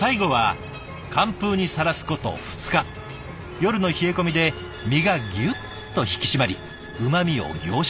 夜の冷え込みで身がギュッと引き締まりうまみを凝縮。